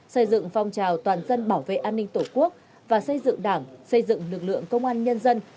xây dựng phong trào toàn dân bảo vệ an ninh tổ quốc và xây dựng đảng xây dựng lực lượng công an nhân dân